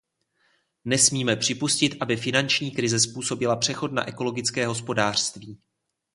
Nesmíme připustit, aby finanční krize zpomalila přechod na ekologické hospodářství.